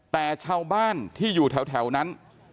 แต่ชาวบ้านที่อยู่แถวนั้น